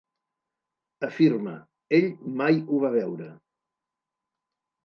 Afirma, Ell mai ho va veure.